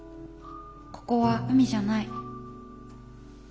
ここは海じゃない。